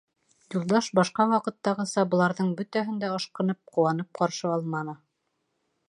Юлдаш башҡа ваҡыттағыса быларҙың бөтәһен дә ашҡынып, ҡыуанып ҡаршы алманы.